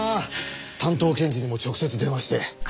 担当検事にも直接電話して。